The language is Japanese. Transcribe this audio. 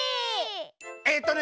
えっとね